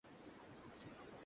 কিচ্ছু বুঝতে পারছি না!